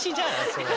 それ。